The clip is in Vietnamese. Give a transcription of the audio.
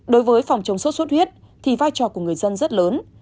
đối với phòng chống sốt xuất huyết thì vai trò của người dân rất lớn